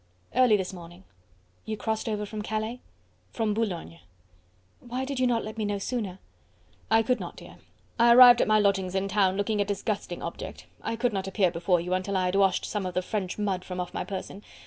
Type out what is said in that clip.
"Early this morning." "You crossed over from Calais?" "From Boulogne." "Why did you not let me know sooner?" "I could not, dear. I arrived at my lodgings in town, looking a disgusting object.... I could not appear before you until I had washed some of the French mud from off my person.